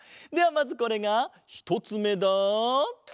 まずこれが１つめだ。